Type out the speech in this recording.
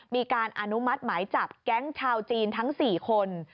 มีการอนุมัติหมายจับแก๊งชาวจีนทั้ง๔คน